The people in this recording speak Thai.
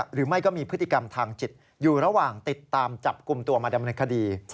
หรือไม่ก็มีพฤติกรรมทางจิตอยู่ระหว่างติดตามจับกลุ่มตัวมาดำเนินคดี